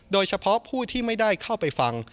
โดยเฉพาะผู้ที่ไม่ได้เข้าไปฟัง